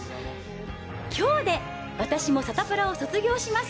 きょうで私もサタプラを卒業します。